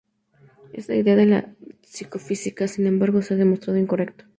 Esta idea de la psicofísica, sin embargo, se ha demostrado incorrecta.